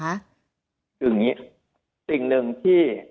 อย่างงี้ฯที